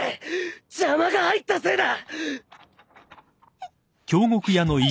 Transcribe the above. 邪魔が入ったせいだ！